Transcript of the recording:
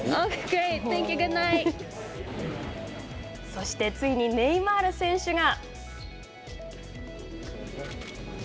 そして、ついにネイマール選手が。